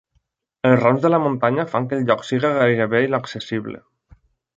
Els rams de la muntanya fan que el lloc sigui gairebé inaccessible.